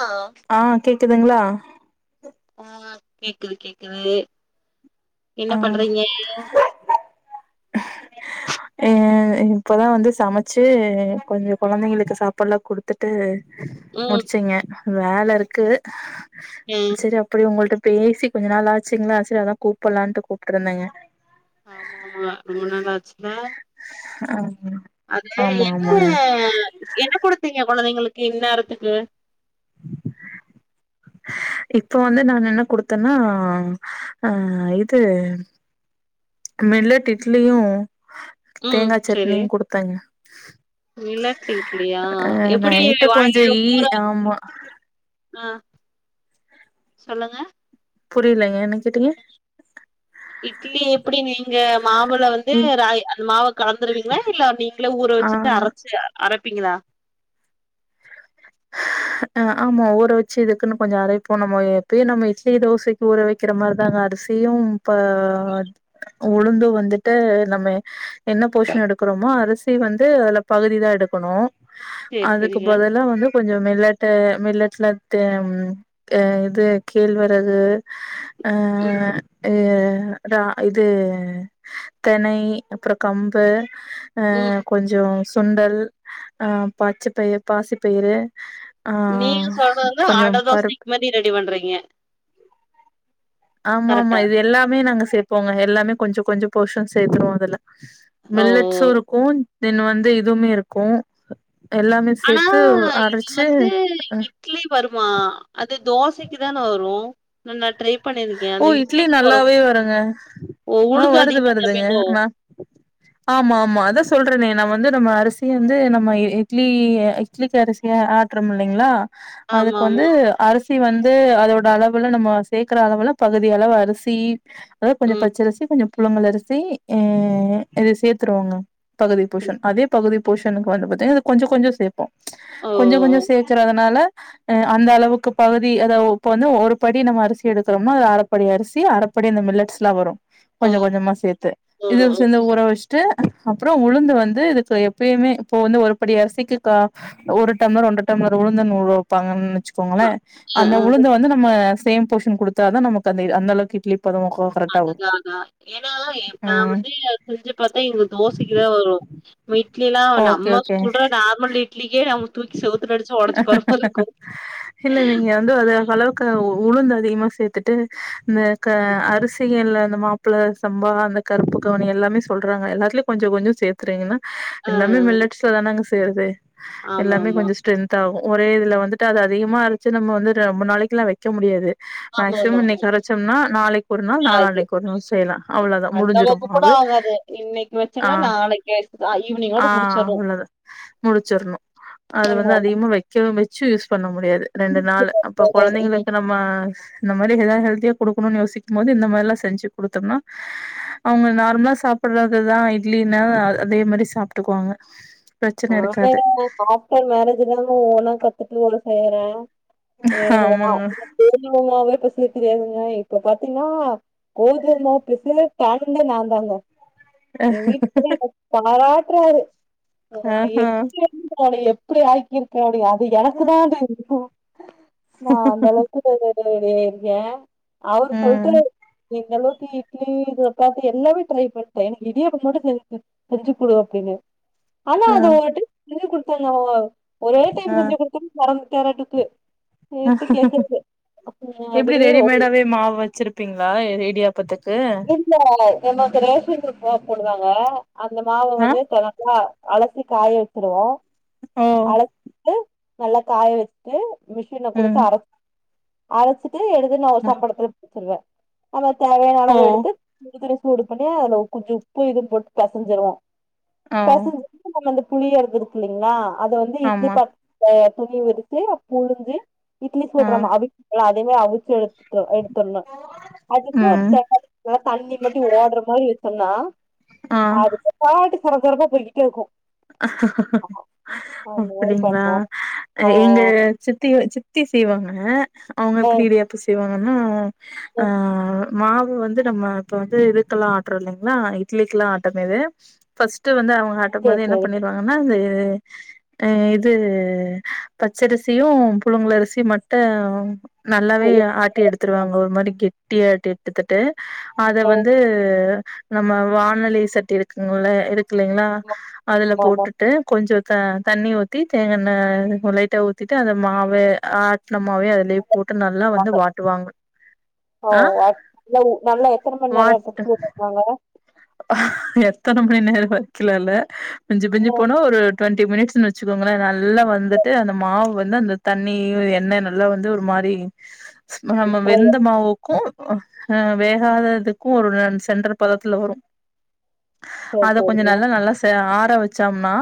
Hollow ஆ கேக்குதுங்களா ஆ கேக்குது கேக்குது என்ன ஆ பண்றீங்க அ இப்பதா வந்து சமைச்சி கொஞ்சோ கொழந்தைங்களுக்கு சாப்பாடுல்லா குடுத் துட்டு ம் முடிச்சிங்க வேல இருக்கு ம் செரி அப்டி உங்கள்ட்ட பேசி கொஞ்ச நாள் ஆச்சுங்களா செரி அதான் கூப்புடலாம்னுட்டு கூப்புட்டு இருந்தேங்க ஆமா ஆமா ரொம்ப நாள் ஆச்சு இல்ல [unintelligible] அது ஆமா என்ன ஆமாங்க என்ன குடுத்தீங்க கொழந்தைங்களுக்கு இந்நேரத்துக்கு இப்போ வந்து நான் என்ன குடுத்தேன்னா ஆ இது மில்லட் இட்லியும் ம் தேங்காய் சட்னியும் குடுத்தேங்க மில்லட் இட்லியா ஆ எப்டி நைட்டு கொஞ்சோ வாங்கி ஈ ஊற ஆமா ஆ சொல்லுங்க புரியலிங்க என்ன கேட்டீங்க இட்லி எப்டின்னு நீங்க மாவுல வந்து இ ரா அந்த மாவை கலந்துருவீங்களா இல்ல நீங்களே ஊற வச்சு ஆ ல அரைச்சு அரைப்பிங்களா ஆ ஆமா ஊற வச்சு இதுக்குன்னு கொஞ்சம் அரைப்போம் நம்ம எப்பயுமே நம்ம இட்லி தோசைக்கு ஊற வச்ச வைக்கிற மாரிதாங்க அரிசியும் இப்ப உளுந்து வந்துட்டு நம்ம என்ன போஷன் எடுக்கிறோமோ அரிசி இட்லி வந்து அதுல பகுதி தான் எடுக்கணும் சேரி அதுக்கு சேரிங்க பதிலா வந்து கொஞ்சம் மில்லட்டு மில்லட்டுலட்டு ஆ இது கேழ்வரகு ம் ஆ ரா இது தெனை அப்றம் கம்பு ஆ ம் கொஞ்சம் சுண்டல் ஆ பச்சை பயிர் பாசிப்பயிறு ஆ நீங்க சொல்றது கொஞ்சோ அடை பரு தோசைக்கு மாரி ரெடி பண்றீங்க ஆமா ஆமா கரெக்டா இது எல்லாமே நாங்க சேர்போங்க எல்லாமே கொஞ்சம் கொஞ்சம் போஷன் சேத்துருவோம் அதுல ஓ ஓ மில்லட்ஸும் இருக்கும் தென் வந்து இதுமே இருக்கும் எல்லாமே ஆனா சேர்த்து இது அரைச்சு வந்து அ இட்லி வருமா அது தோசைக்கு தானே வரும் நான் ட்ரை பண்ணியிருக்கேன் ஓ இட்லி நல்லாவே வருங்க ஓ ஆ உளுந்து வருது அதிகமா வருதுங்க சேப்பீங்களோ நான் ஆமா ஆமா அதான் சொல்றேனே நான் வந்து நம்ம அரிசி வந்து நம்ம இட்லி இட்லிக்கு அரிசியா ஆட்டுறோம் இல்லைங்களா ஆமா அதுக்கு ஆமா வந்து அரிசி வந்து அதோட அளவுல நம்ம சேக்கற அளவுல பகுதியளவு அரிசி அதாவது கொஞ்சம் ம் பச்சரிசி கொஞ்சம் புலுங்கள் அரிசி இத சேர்த்துருவங்க பகுதி சரி போஷன் அதே பகுதி போஷனுக்கு வந்து பாத்தீங்கனா கொஞ்சம் கொஞ்சம் சேப்போம் ஓ கொஞ்சம் கொஞ்சம் சேக்கறதுனால அந்த அளவுக்கு பகுதி அதாவது இப்ப வந்து ஒரு படி நம்ம அரிசி எடுக்கிறோம் அது அரைப்படி அரிசி அரைப்படி அந்த மில்லட்ஸ்ல்லாம் வரும் ஓ கொஞ்சம் கொஞ்சமா சேத்து ஓ இது ஓ சேர்ந்த ஊறவச்சு வன்ட்டு அப்றம் உளுந்து வந்து இதுக்கு எப்யுமே இப்போ வந்து ஒரு படி அரிசிக்கு கா ஒரு டம்ளர் ஒன்ற டம்ளர் உளுந்து ஊற வைப்பாங்கன்னு ஆ வச்சுக்கோங்களேன் அ அந்த ஆ உளுந்த வந்து நம்ம சேம் போர்ஷன் குடுத்தாதா நமக்கு அந்த-அந்தளவுக்கு இட்லி பதம் கோ அது அது அதுதா ஏன்னா நா ம் வந்து செஞ்சு பாத்தா எங்க தோசைக்குதா வரு வீட்லைலா ஓகே நம்ம ஓகே சுடற நார்மல் இட்லிக்கே நம்ம தூக்கி செவுத்துல அடிச்சுஒடச்சி போற மாரி இருக்கு இல்ல நீங்க வந்து அது அளவுக்கு உளுந்து அதிகமா சேத்துட்டு இந்த க அரிசியில இந்த மா ப்பா சம்பா அந்த கருப்பு கவுனி எல்லாமே சொல்றாங்க எல்லாத்துலயு கொஞ்சோ கொஞ்சோ சேத்துறீங்கன்னா ஆ எல்லாமே மில்லட்ஸ்லதானங்க சேருது ஆமா எல்லாமே ஆமா கொஞ்ச ட்ரென்த் ஆகு ஒரே இதுல வந்துட்டு அத அதிகமா அரச்சி நம்ம வந்து ரொம்ப நாளைக்குல்லா வைக்க முடியாது ஆமா ஆமா மேக்சிமம் ஆமா இன்னைக்கு அரைச்சோம்னா நாளைக்கு ஒரு நாள் அது நாளான்னைக்கு ஒரு நாள் செய்யலா அவ்வளவுதா முடிஞ்சிரு மாவு. அதாவது இன்னைக்கு வச்சம்னா ஆ நாளைக்கே ஆ உள்ளது முடிச்சிடணு அது வந்து ஆமா அதிகமா வைக் ரிசுல வச்சு யூஸ் பண்ண முடியாது ரெண்டு நாள் அப்ப ம் குழந்தைங்களுக்கு நம் ம இந்த மாரி எதாவது ஹெல்தியா குடுகணும்னு யோசிக்குபோது இந்த மாரில்லா செஞ்சு குடுத்தம்னா அவங்க நார்மலா சாப்படுறதுதா இட்லினா அதே மாரி சாப்ட்டுக்கோங்க. [unintelligible] ஆப்டர் மேரேஜ் தாங்க ஒவொன்னா கத்துட்டு செய்ய போறே ஆமாங்க எனக்கு தெரிஞமாவ இப்பசே பேசய தெரியாதுங்க இப்ப பாத்தீங்ன்னா கோதுமை மாவு பிசுலே கழ்ந்தே நான் தாங்க என் வீட்டுக்காரு என்ன பாராட்டுறாரு நா ஆஹா எப்டி இருந்தே உன்ன எப்டி ஆக்கிருக்கே அப்டினு அது எனக்கு தா தெரியு நா அந்த அளவுக்கு வெறொரு [unintelligible] இருக்கே அவரு சொல்ட்டு ம் இந்த அளவுக்கு இட்லி தோச சப்பாத்தி எல்லாமே ட்ரை பண்ணிட்டே எனக்கு இடியப்பம் மட்டு தெரியாது செஞ்சுக்குடு அப்டின்னு ஆனா ஆ அதை ஒருவாட்டி செஞ்சு கொடுத்தாங்க ஒரே ஆ டைம் செஞ்சு கொடுத்தும் மரம் தேரட்டுக்கு எப்டி அப்டியே ரெடிமேடாவே மாவ வச்சிருப் இருப்பீங்களா இது இடியாபத்துக்கு இல்ல என்ன அப்ப ரேஷன் போவ சொல்லுதாங்க அந்த மாவு ஆ வந்து தனக்கா அலசி காய வச்சுருவோ ஓ அலந்து நல்லா காய வச்சு லே மிஷின கொடுத்து ம் அரைச் அரைச்சிட்டு எடுத்து நா ஒரு சம்படத்துல போட்டிருவே நம்ம தேவையான ஓ அளவு எடுத்து இதுல சூடு பண்ணி அத குஞ்சு உப்பு இதுன்னு போட்டு பெசஞ்சிருவோ ஆ பசஞ்ச நம்ம அந்த புளிறது இருக்கு இல்லைங்களா அதை வந்து இட்லி ஆமா பாத் த துணி விரிச்சு புழிஞ்சு இட்லி ஆ சுடுற மாவு எல்லா அதையுமே அவிச்சி எடுத் எடுத்தரணு அதுக்கு ஒரு ம் தண் தண்ணி மட்டும் ஓடுற மாதிரி சொன்னா ஆ அதுக்குபாட்டுக்கு கொறகொறப்பா போய்கிட்டே இருக்கு அந்த மாரி அப்டிங்களா பண்ணுவோ அ ஆ எங்க சித்தி ஓ சித்தி சித்தி செய்வாங்க அவங்க ஆ எப்டி இடியாப்பம் செய்வாங்கன்னா ஆ மாவு வந்து நம்ம இப்ப வந்து இதுக்கெல்லா ஆட்டுற இல்லைங்களா இட்லிக்கல்லா ஆட்டுனது ஃபஸ்ட் வந்து அவங்க ஆட்டு சேரி போது என்ன சேரி பண்ணிருவாங்கன்னா இது அ இது பச்சரிசியு புழுங்கல் அரிசியு மட்டு நல்லாவே ஆட்டி எடுத்துருவாங்க ஒரு மாதிரி கெட்டியா ஆட்டி எடுத்துட்டு அத வந்து இது நம்ம வானலி சட்டி இருக்குங்கள்ள இருக்கில்லைங்களா அதுல ஆமா ஆமா போட்டுட்டு கொஞ்ச த-தண்ணி ஊத்தி தேங்கெண்ண ஒரு லைட்டா ஊத்திட்டு அந்த மாவே ஆட்டின மாவே அது லே போட்டு நல்லா ஆமா வந்து வாட்டுவாங்க. ஓ ஆ வாட் நல்லா எத்தனை மணி வாட் நேரம் [unintelligible] ச்சுந்தாங்க எத்தன மணி நேரம் வச்சுலா இல்ல மிஞ்சி மிஞ்சி போனா ஒரு ட்வெண்ட்டி மினிட்ஸ்ன்னு வச்சுக்கோங்களே நல்லா வந்துட்டு அந்த மாவு வந்து அந்த தண்ணி எண்ணெய் நல்ல வந்து ஒரு மாரி நம்ம வெந்த மாவுக்கு அ வேகாததுக் க்கு ஒரு ரெண் சென்டர் பதத்துல வரு சேரி அத கொஞ்ச சேரிங்க நல்லா நல்லா செ ஆற வச்சம்னா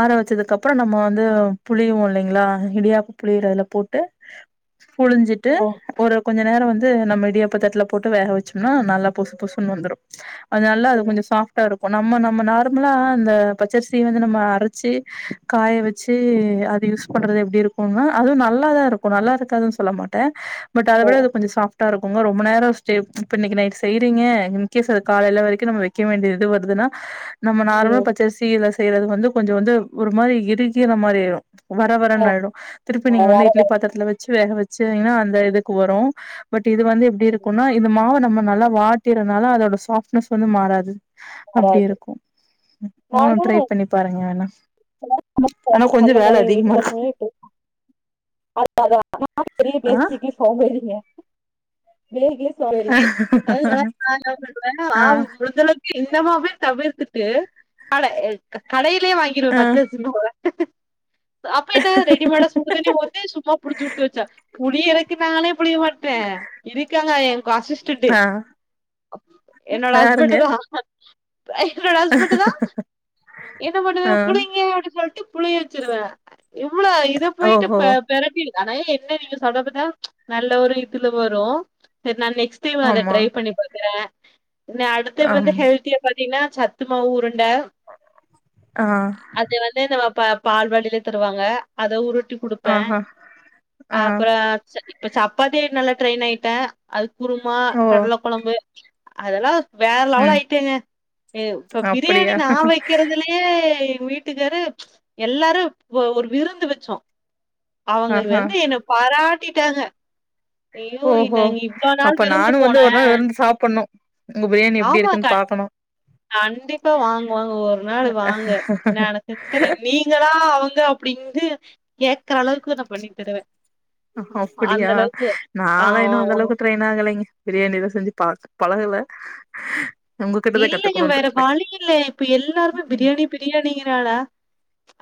ஆற வச்சதுக்கு அப்றோ நம்ம வந்து புழிவோ இல்லேங்ளா இடியாப்ப புழியிறதுல போட்டு புழிஞ்சிட்டு ஒரு கொஞ்ச நேரோ வந்து நம்ம இடியப்பதட்ல போட்டு வேக வச்சோம்னா நல்லா பொசு பொசுன்னு வந்துரு அது நல்ல கொஞ்ச ஸாப்ட் ட்டா இருக்கு நம்ம நம்ம நார்மலா அந்த பச்சரிசிய வந்து நம்ம அரச்சி காய வச் வச்சி அது யூஸ் பண்றது எப்படி இருக்கும்ன்னா அதுவும் நல்லாதான் இருக்கும் நல்லா இருக்காதுன்னு சொல்ல மாட்டேன் பட் அத ஓ விட இது கொஞ்ச சாப்டா இருக்கும்ங்க ரொம்ப நேரொ ஸ்டே இப்ப இன்னக்கி நைட்டு செய்றீங்க இன்கேஸ் அது காலைல வரைக்கும் நம்ம வைக்க வேண்டிய இது வருதுன்னா நம்ம நார்மலா ம் பச்சரிசி செய்யறது வந்து கொஞ்சம் வந்து ஒரு மாறி இறுகிற மாறி ஆயிரும் வர ஆ வரன்னு ஆய்டு திருப்பி நீங்க வந்து வேற இட்லி பாத்துரத்துல வச் வேக வச்சிங்கன்னா அந்த இதுக்கு வரும் பட் இது வந்து எப்படி இருக்கும்னா இந்த மாவு நம்ம நல்லா வாட்டியறனால அதோட சாஃப்ட்னஸ் வந்து மாறாது அப்டி வராது இருக்கும் ம் நானு ட்ரை பண்ணி பாருங்க வேணா ஆனா கொஞ்ச சொன்ன வேல அதிகமா இருக்கு [unintelligible] [unintelligible] ஆ அது நல்லா ஆ பாவம் இந்தமாவே தவிர்த்துட்டு கடை கடையிலயே வாங்கிருவேன் ஆ பச்சரிசி மாவ அப்ப என்ன ரெடிமேடா சுடு தண்ணி ஊத்தி சும்மா புழிஞ்சிவுட்டு வச்சா புழியவே [unintelligible] புழிய மாட்டே இருக்காங்க எனக்கு அசிஸ்டன்டு ஆ என்னோட ஹஸ்பண்ட் யாருங்க தா என்னோட ஹஸ்பண்ட் தான் என்ன பண்ணுவே ஆ புழிங்க அப்டின்னு சொல்லிட்டு புழிய வச்சிருவே இவ்ளோ இத போயிட்டு ஓஹோ தெரப்பி ஆன என்ன நீங்க சொதப்புனா நல்ல ஒரு இதுல வரும் சரி நா நெக்ஸ்ட் நிச்சயமா அத ஆமா ட்ரை பண்ணி பாக்கறேன் அடுத்தது வந்து ஆம் ஹெல்த்திய பாத்தீங்கன்னா சத்துமாவு ஊருண்ட ஆ அது வந்து நம்ம பா பால்வாடில தருவாங்க அத உருட்டி குடுப்பேன் ஆஹா ஆ அப்புறம் இப்ப சப்பாத்தி நல்லா ட்ரெயின் ஆயிட்டே அது குருமா ஓ கடலக் குழம்பு அதெல்லாம் வேற லெவல் ம் ஆயிட்டேங்க இப்ப பிரியாணி அப்படியா நா வைக்கறதிலையே வீட்டுக்காரு எல்லாரு ஒரு விருந்து வச்சோ அவுங்க ஆஹா வந்து என்ன பாராட்டிடாங்க ஐயோ ஓஹோ இங் இவ்ளோ நாள் அப்ப விருந்து நானு வந்து போனே ஒரு நாள் விருந்து சாப்புட்ணு உங்க பிரியாணி எப்டி ஆமா க இருக்குன்னு பாக்கணு கண்டிப்பா வாங்க வாங்க ஒரு நாள் வாங்க நானு தித்திற நீ நீங்களா அவுங்க அப்படிந்து கேக்கற அளவுக்கு நா பண்ணி தருவேன் அந்த அப்படியா அளவுக்கு ஆ நாளா இன்னும் அந்த அளவுக்கு டிரைன் நாங்கலிங் பிரியாணிலாம் செஞ்சி ப பழகல உங்ககிட்டதா இல்லங்க கத்துக்கணுனு வேற இருக்குறே வழியில்லா இப்ப எல்லாருமே பிரியாணி பிரியாணிங்கிறாளால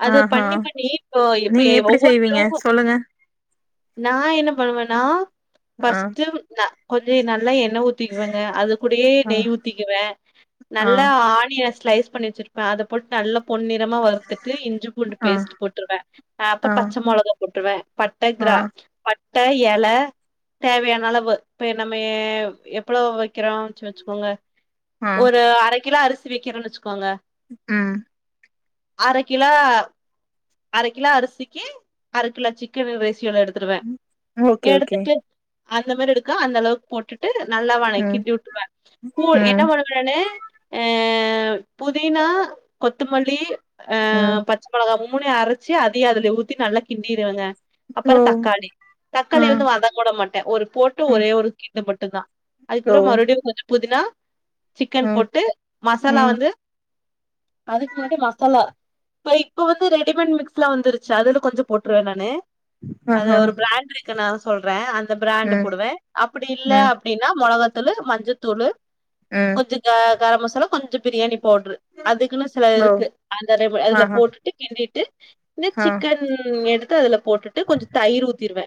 அது ஆஹா பண்ணி பண்ணி இப்ப இப்ப நீங்க எப்டி செய்வீங்க ஒவ்வொருத்தரும் சொல்லுங்க நா என்ன பண்ணுவேன்னா ஆ ஃபஸ்ட்டு நா கொஞ்ச நல்லா எண்ணெ ஊத்திக்குவேங்க அது கூடையே ஆ நெய் ஊத்திகுவே ஆ நல்லா ஆனியன் ஸ்லைஸ் பண்ணி வச்சிருப்ப அத போட்டு நல்லா பொன்னிறமா வறுத்துட்டு இஞ்சி பூண்டு ஆ பேஸ்ட் போட்டுருவே ஆ அப்புறம் பச்சை மிளகா போட்டுருவேன் பட்ட ஆ கிரா பட்ட எல தேவையான அளவு இப்ப நம்ம எவ்ளோ வைக்கிறோம் வச்சி வச்சிக்கோங்க ஆ ஒரு அர கிலோ அரிசி வெக்கறேன் வச்சிக்கோங்க ம் அரை கிலோ அரை கிலோ அரிசிக்கு அரை கிலோ சிக்கன் ரேசியோல எடு துடுவே ஓகே ஓகே எடுத்துட்டு அந்த மாரி எடுக்க அந்த அளவுக் போட்டுட்டு நல்லா வன ம் கிண்டி வுட்டுடுவே கூ எண் ம் நானு அ புதினா கொத்தமல்லி அ ம் பத் பச்ச முளகா மு மூணையு அரச்சு அத அதுல ஊத்தி நல்லா கிண்டிருவேங்க அப்றோ ஓ தக்காளி ஆ தக்காளிய வந்து வதங்க உட மாட்டே ஒரு போட்டு ஆ ஒரே ஒரு கீன்டு மட்டுந் தா ஓ அதுக்கப்றோ மறுபடியு கொஞ்சோ புதினா சிக்கன் ஆ போட்டு மசாலா ம் வந்து அதுக்கு முன்னாடி மசாலா இப்ப இப்ப வந்து ரெடிமேட் மிக்ஸ்லா வந்துருச்சு அதுல கொஞ்சோ போட்டுருவே நானு அது ஆஹா ஒரு பிராண்ட் இருக்குனால சொல்றே அந்த பிராண்ட் ம் போடுவே அப்டி இல்ல ம் அப் அப்டினா முளகாத்தூளு மஞ்சத்தூளு ம் கொஞ்சோ க கரம் மசாலா கொஞ்சோ பிரியாணி பவ்ட்ரு அதுக்குன்னு சில ஓ இருக்கு அந்த அது அதுல ஆஹா போட்டுட்டு கிண்டிட்டு இ ஆ சிக்கன் ம் எடுத்து அதுல போட்டுட்டு கொஞ்சோ தயிர் ஊத்திருவே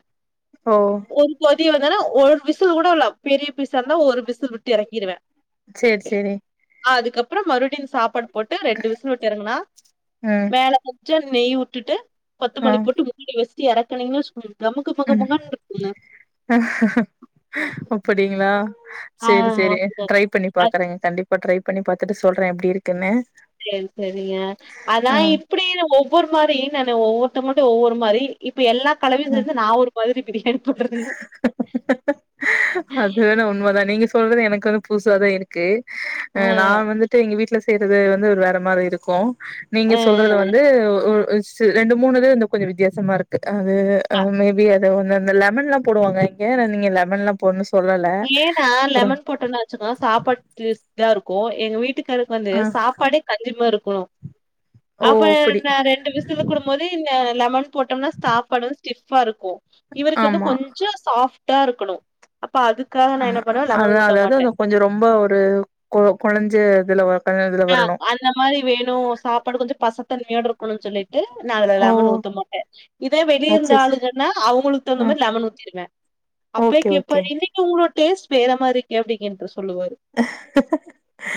ஓ ஒரு கொதி வந்தன்னே ஒரு விசில் கூட உள்ள பெரிய பீசாருந்தா ஒரு விசில் விட்டு இறக்கிருவே சேர் சேரி அதுக்கப்றோ மறுபடியு சாப்பாடு போட்டு ரெண்டு விசில் விட்டறங்குனா ம் மேல கொஞ் சோ நெய் வுட்டுட்டு ஆ கொத்தமல்லி போட்டு மூடி வச்சிட்டு இறக்குனீங்கனா சூ நமக்கு முக ம் முகன் இருக்குங்க [inaudible] அப்டிங்களா ஆ சேரி சேரி அது ட்ரை பண்ணி பாக்குறேங் கண்டிப்பா ட்ரை பண்ணி பாத்துட்டு சொல்ற எப்டி இருக்குன்னு சேரி சேரிங்க அதா ஆ இப்டி ஒவ்வொரு மாரி நானு ஒவ்வொருத்தர் மட்டு ஒவ்வொரு மாரி இப்ப எல்லா கலவையு ஆ சேர்ந்து நா ஒரு மாரி பிரியாணி பண்றதுங்க அது வேணா உண்மதா நீங்க சொல்றது எனக்கு வந்து புதுசா தா இருக்கு அ ஆ நா வந்துட்டு எங்க வீட்ல செய்யறது வந்து ஒரு வேற மாரி இருக்கு நீங்க ஆ சொல்றது வந்து [unintelligible] ரெண்டு மூணுது வந்து கொஞ்ச வித்தியாசமா இருக் அது அ மேபி அது வந்து அந்த லெமன்லாம் போடுவாங்க இங்க நீங்க லெமன்ல்லாம் பொண்ணு சொல்லல ஆ ஏன்னா அப்றோ லெமன் போட்டோன்னு வச்சுக்கோ சாப்பாடு டேஸ்டாருக்கு எங்க வீட்டுக்காருக்கு வந்து ஆ சாப்பாடே கஞ்சமா இருக்கணு ஓ அப்ப அப்படி நா ரெண்டு பிஸ் திருக்குடும்போது ல லெமன் போட்டோம்னா சாப்பாடு ஸ்டிஃபாருக்கு இவருக்கு வந்து ஆமா கொஞ்சோ சாஃப்ட்டா இருக்கணு அப்ப அதுக்காக அ நா என்ன பண்ணுவே லெமன் அதா ஊத்த அதாவது மாட்டே அது கொஞ்சோ ரொம்ப ஒரு கொ கொலஞ்ச இதுல வ இதுல ஆ வரணு அந்த மாரி வேணு சாப்பாடு கொஞ்ச பசத்தண்ணியாட்ருக்குன்னு சொல்லிட்டு நா அததுல ஓ லெமன் ஊத்த மாட்ட இதே வெளியேருந்து சேர் சேர் ஆளுகனா அவுங்களுக்கு தகுந்த அ மாரி லெமன் ஊத்திருவே அப்பே ஓகே ஓகே கேப்பாரு என்ன உங்களோட டேஸ்ட் வேற மாரி இருக்கே அப்டிங்கேனு சொல்லுவாரு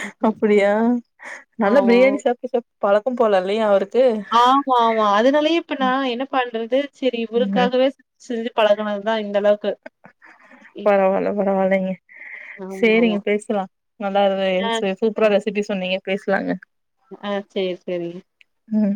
ம்ஹ்ம். ம். அப்டியா நல்லா ஆமா. பிரியாணி சாப்ட்டு சாப் பழக்கம் போல இல்லயே அவருக் ஆமா ஆமா அதனாலயே இப்ப நா என்ன பண்றது சரி ம் இவருக்காகவே ச செஞ்சு பழகனதுதா இந்த அளவுக்கு இப் பரவால்ல ம். பரவால்லைங்க ஆமாமா. சேரிங்க பேசலா நல்லா ஆ, இரு [unintelligible] சூப்ரா ரெசிபி சொன்னீங்க பேசலாங்க ஆ சேரி சேரிங்க ம்